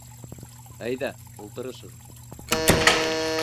Әйҙә, ултырышығыҙ.